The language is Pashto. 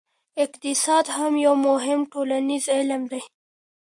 اقتصاد هم یو مهم ټولنیز علم دی.